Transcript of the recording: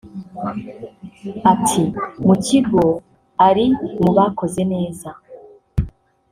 Ati “Mu kigo ari mu bakoze neza